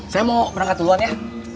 saya mau berangkat duluan ya